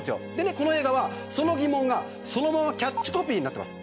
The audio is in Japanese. この映画は、その疑問がそのままキャッチコピーになっています。